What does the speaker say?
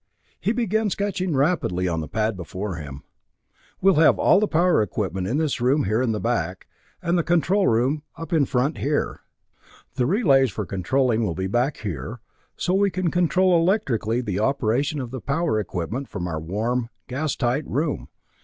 He began sketching rapidly on the pad before him, "We'll have all the power equipment in this room here in the back, and the control room up in front, here. The relays for controlling will be back here, so we can control electrically the operation of the power equipment from our warm, gas tight room.